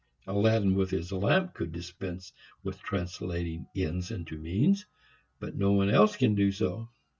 Aladdin with his lamp could dispense with translating ends into means, but no one else can do so.